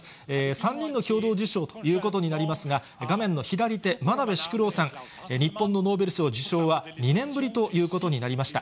３人の共同受賞ということになりますが、画面の左手、真鍋淑郎さん、日本のノーベル賞受賞は２年ぶりということになりました。